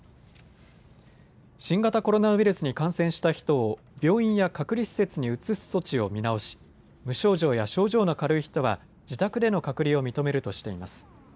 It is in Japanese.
新型コロナウイルスに感染した人を病院や隔離施設に移す措置を見直し、無症状や症状の軽い人は自宅での隔離を認めるとしています。